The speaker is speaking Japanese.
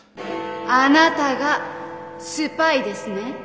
あなたがスパイですね。